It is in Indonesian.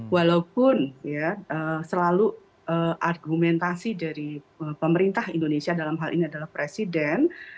walaupun selalu argumentasi dari pemerintah indonesia dalam hal ini adalah presiden